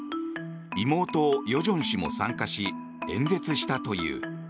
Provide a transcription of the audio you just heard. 妹・与正氏も参加し演説したという。